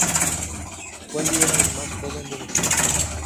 Wally era el más joven de los chicos.